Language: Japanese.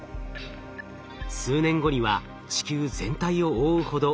数年後には地球全体を覆うほど